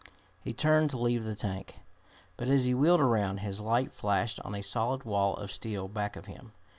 He turned to leave the tank, but as he wheeled around his light flashed on a solid wall of steel back of him.